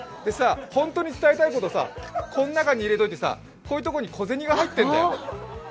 本当に伝えたいこと、この中に入れておいて、こういうところに小銭が入ってんだよ。